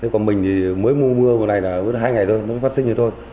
còn mình thì mới mua mưa vào này là hai ngày thôi nó phát sinh rồi thôi